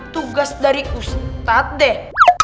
tugas dari ustadz deh